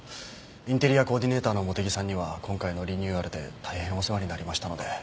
インテリアコーディネーターの茂手木さんには今回のリニューアルで大変お世話になりましたので。